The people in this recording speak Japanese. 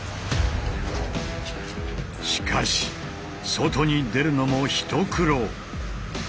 しかし外に出るのも一苦労！